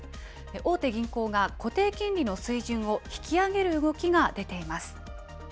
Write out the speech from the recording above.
大手銀行が固定金利の水準を引き上げる動きが出ています。